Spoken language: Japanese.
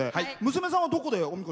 娘さんはどこで。